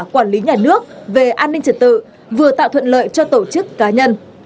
quản lý nhà nước về an ninh trật tự vừa tạo thuận lợi cho tổ chức cá nhân